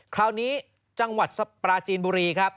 คราวนี้จังหวัดปราจีนบุรี